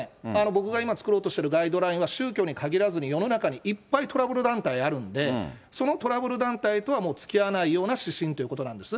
僕が今、作ろうとしているガイドラインは宗教に限らずに世の中にいっぱいトラブル団体あるんで、そのトラブル団体とはもうつきあわないような指針ということなんです。